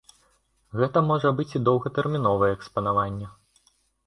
Гэта можа быць і доўгатэрміновае экспанаванне.